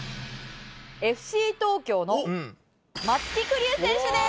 ＦＣ東京の松木玖生選手です！